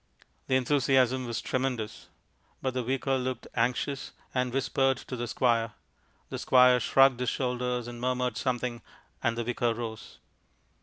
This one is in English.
The enthusiasm was tremendous. Rut the Vicar looked anxious, and whispered to the Squire. The Squire shrugged his shoulders and murmured something, and the Vicar rose.